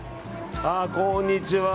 こんにちは。